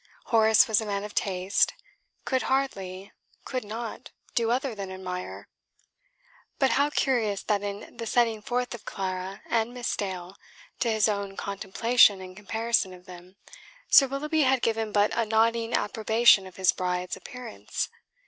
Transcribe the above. Horace was a man of taste, could hardly, could not, do other than admire; but how curious that in the setting forth of Clara and Miss Dale, to his own contemplation and comparison of them, Sir Willoughby had given but a nodding approbation of his bride's appearance!